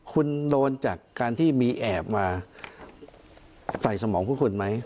คุณโดนจากการที่มีแอบมาใส่สมองพวกคุณไหม